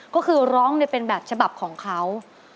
ก็คือร้องเป็นแบบฉบับของเขา